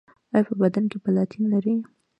ایا په بدن کې پلاتین لرئ؟